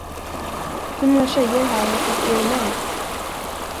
Hur många tjejer här har fått er mens?